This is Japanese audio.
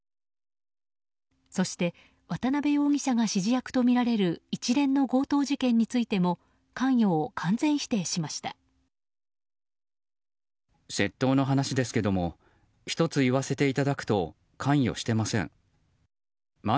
そして渡辺容疑者が指示役とみられる一連の強盗事件についても関与を完全否定しました。